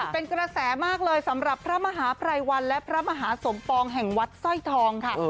เป็นกระแสมากเลยสำหรับพระมหาภัยวันและพระมหาสมปองแห่งวัดสร้อยทองค่ะ